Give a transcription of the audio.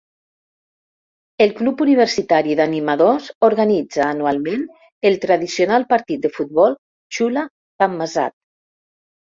El club universitari d'animadors organitza anualment el tradicional partit de futbol Chula-Thammasat.